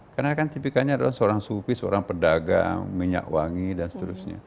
karena kan tipikanya adalah seorang sufi seorang pedagang minyak wangi dan seterusnya